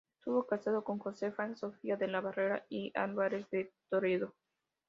Estuvo casado con Josefa Sofía de la Barrera y Álvarez de Toledo.